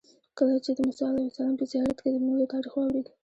کله چې د موسی علیه السلام په زیارت کې د میلو تاریخ واورېد.